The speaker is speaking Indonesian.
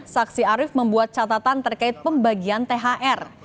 saksi arief membuat catatan terkait pembagian thr